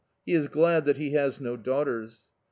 He is glad that he has no daughters!...